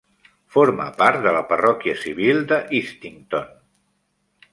Forma part de la parròquia civil de Eastington.